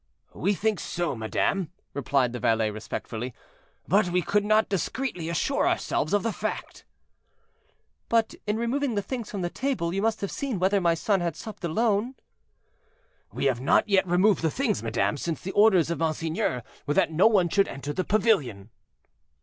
"We think so, madame," replied the valet respectfully, "but we could not discreetly assure ourselves of the fact." "But in removing the things from the table, you must have seen whether my son had supped alone?" "We have not yet removed the things, madame, since the orders of monseigneur were that no one should enter the pavilion."